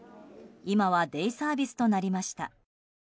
今はデイサービスとなりました。